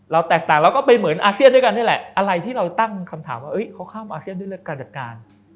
แตกต่างเราก็ไปเหมือนอาเซียนด้วยกันนี่แหละอะไรที่เราตั้งคำถามว่าเขาข้ามอาเซียนด้วยเรื่องการจัดการ